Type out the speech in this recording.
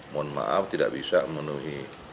mohon maaf tidak bisa memenuhi